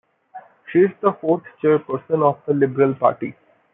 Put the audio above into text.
She is the fourth chairperson of the Liberal Party.